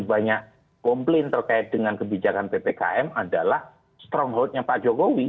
yang banyak komplain terkait dengan kebijakan ppkm adalah stronghold nya pak jokowi